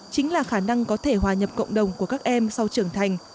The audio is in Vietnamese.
chính là khả năng có thể hòa nhập cộng đồng của các em sau trưởng thành